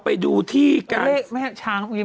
เป็นการกระตุ้นการไหลเวียนของเลือด